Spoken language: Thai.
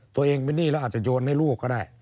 ตัวเองเป็นหนี้แล้วอาจจะโยนให้ลูกก็ได้